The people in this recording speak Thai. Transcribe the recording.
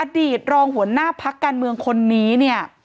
อดีตรองหัวหน้าพักการเมืองคนนี้เนี่ย